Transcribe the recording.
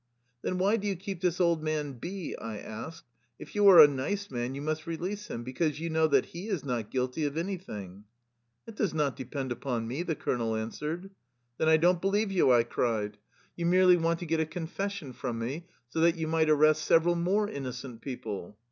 " Then why do you keep this old man В ?" I asked. " If you are a nice man, you must re lease him, because you know that he is not guilty of anything." " That does not depend upon me," the colonel answered. "Then I don't believe you," I cried. "You 64 THE LIFE STORY OF A RUSSIAN EXILE merely want to get a confession from me, so tbat you might arrest several more innocent people."